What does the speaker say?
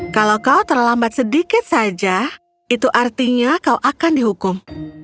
kalau kau terlambat sedikit saja itu artinya kau akan dihukum